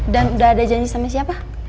dan udah ada janji sama siapa